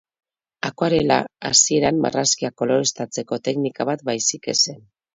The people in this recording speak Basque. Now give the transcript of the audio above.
Akuarela, hasieran, marrazkiak koloreztatzeko teknika bat baizik ez zen.